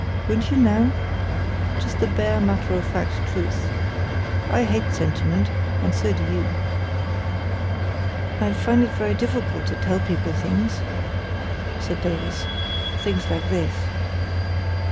Won't you now? Just the bare, matter of fact truth. I hate sentiment, and so do you." "I find it very difficult to tell people things," said Davies, "things like this."